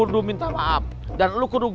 suara apa tuh